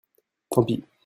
Tant pis.